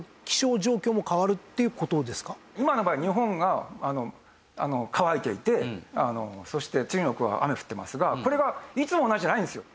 今の場合日本が乾いていてそして中国は雨降ってますがこれがいつも同じじゃないんですよ。